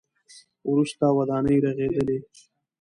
وروسته ودانۍ رغېدلې.